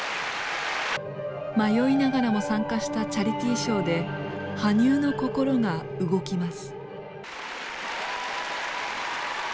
迷いながらも参加したチャリティーショーで羽生の心が動きます。